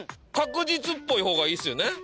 確実っぽい方がいいっすよね？